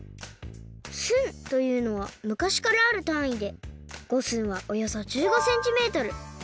寸というのはむかしからあるたんいで五寸はおよそ１５センチメートル。